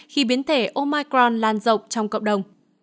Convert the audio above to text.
khi biến thể omicron lan rộng trong cộng đồng